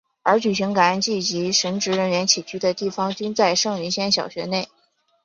而举行感恩祭及神职人员起居的地方均在圣云仙小学内。